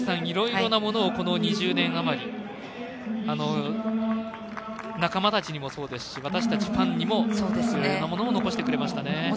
いろいろなものをこの２０年あまり仲間たちにもそうですし私たちファンにもいろいろなものを残してくれましたね。